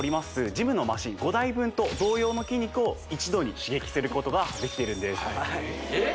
ジムのマシン５台分と同様の筋肉を一度に刺激することができてるんですえっ？